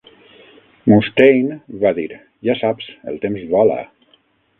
Mustaine va dir: "Ja saps, el temps vola".